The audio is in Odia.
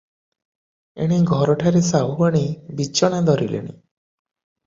ଏଣେ ଘରଠାରେ ସାହୁଆଣୀ ବିଛଣା ଧରିଲେଣି ।